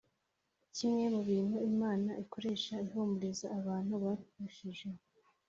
Kimwe mu bintu Imana ikoresha ihumuriza abantu bapfushije